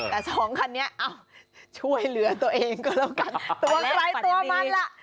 แต่สองคันนี้ช่วยเหลือตัวเองก็แล้วกันตัวใครตัวมันล่ะ